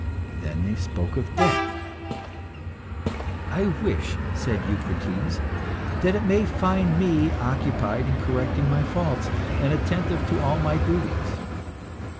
Then they spoke of death. "I wish," said Eucrites, "that it may find me occupied in correcting my faults, and attentive to all my duties.